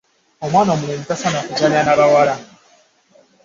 Omwana omulenzi tasaana kuzannya na bawala.